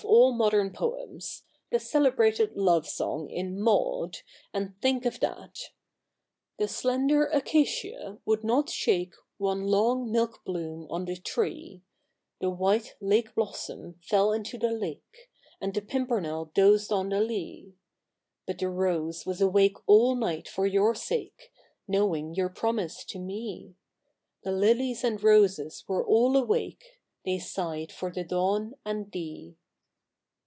ii] THE NEW REPUBLIC 215 modern poems — the celebrated love song in Maud, and think of that :— The slender acacia would not shake One long milk bloom on the tree ; The white lake blossom fell into the lake, And the pimpernel dozed on the lea ; But the rose was awake all night for your sake, Knowing your promise to me ; The lilies and roses were all awake, They sighed for the dawn and thee.